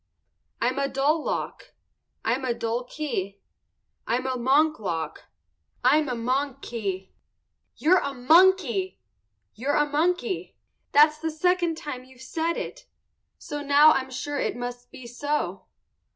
_ I'm a dull lock. I'm a dull key. I'm a monk lock. I'm a monk key. You're a monkey! You're a monkey. That's the second time you've said it, so now I'm sure it must be so.